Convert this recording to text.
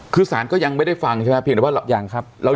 คือสารก็ยังไม่ได้ฟังใช่ไหมเพียงแต่ว่ายังครับ